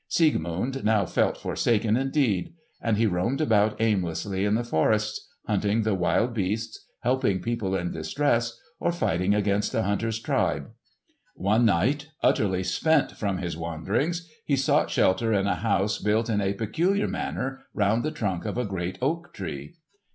Siegmund now felt forsaken indeed; and he roamed about aimlessly in the forests, hunting the wild beasts, helping people in distress, or fighting against the hunter's tribe. One night, utterly spent from his wanderings, he sought shelter in a house built in a peculiar manner round the trunk of a great oak tree.